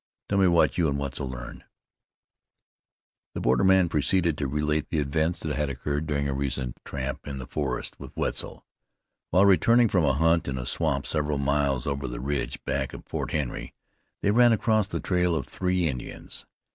"Tell me what you and Wetzel learned." The borderman proceeded to relate the events that had occurred during a recent tramp in the forest with Wetzel. While returning from a hunt in a swamp several miles over the ridge, back of Fort Henry, they ran across the trail of three Indians.